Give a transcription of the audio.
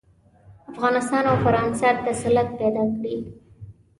افغانستان او فرانسه تسلط پیدا کړي.